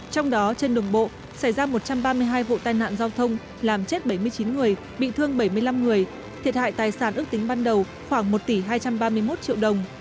trong đó trên đường bộ xảy ra một trăm ba mươi hai vụ tai nạn giao thông làm chết bảy mươi chín người bị thương bảy mươi năm người thiệt hại tài sản ước tính ban đầu khoảng một tỷ hai trăm ba mươi một triệu đồng